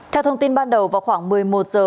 theo thông tin ban đầu vào khoảng một mươi một h